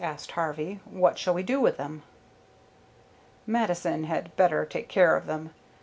asked Harvey. "What shall we do with them?" "Mattison had better take care of them.